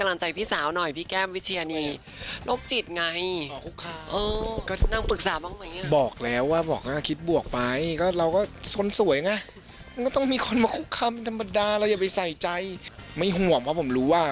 ไม่ห่วงเพราะผมรู้ว่า